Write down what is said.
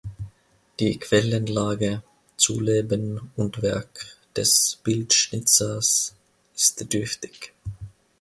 Die Quellenlage zu Leben und Werk des Bildschnitzers ist dürftig.